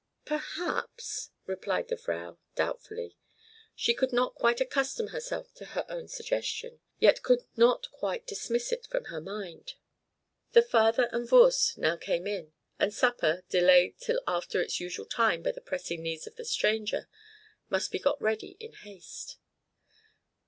"Perhaps," replied the Vrow, doubtfully. She could not quite accustom herself to her own suggestion, yet could not quite dismiss it from her mind. The father and Voorst now came in, and supper, delayed till after its usual time by the pressing needs of the stranger, must be got ready in haste.